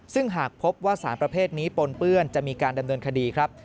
ซึ่งหากพบว่าสารประเภทนี้ปนเปื้อนจะมีการดำเนินคดีครับ